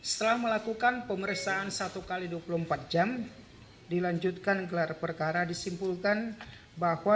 setelah melakukan pemeriksaan satu x dua puluh empat jam dilanjutkan gelar perkara disimpulkan bahwa